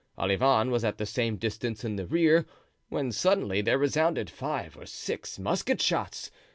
Olivain was at the same distance in the rear, when suddenly there resounded five or six musket shots.